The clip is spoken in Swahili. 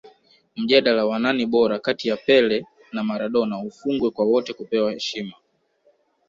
mjadala wa nani bora kati ya pele na maradona ufungwe kwa wote kupewa heshima